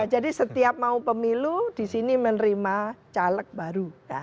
jadi setiap mau pemilu disini menerima caleg baru